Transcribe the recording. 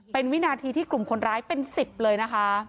เป็นวินาทีที่กลุ่มคนร้ายเป็น๑๐เลยนะคะ